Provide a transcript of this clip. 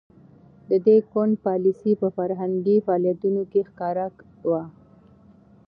د دې ګوند پالیسي په فرهنګي فعالیتونو کې ښکاره وه.